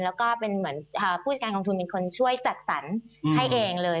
แล้วก็เป็นเหมือนผู้จัดการกองทุนเป็นคนช่วยจัดสรรให้เองเลย